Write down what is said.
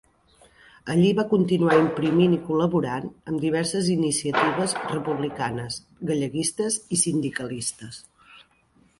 Allí va continuar imprimint i col·laborant amb diverses iniciatives republicanes, galleguistes i sindicalistes.